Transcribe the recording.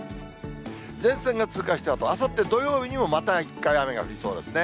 前線が通過したあと、あさって土曜日にもまた一回雨が降りそうですね。